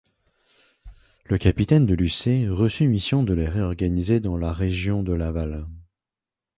Le capitaine de Lucé reçut mission de les réorganiser dans la région de Laval.